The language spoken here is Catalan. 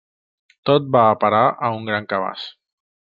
Tot va a parar a un gran cabàs.